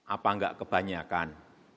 apa enggak kebanyakan